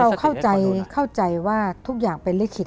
เข้าใจเข้าใจว่าทุกอย่างเป็นลิขิต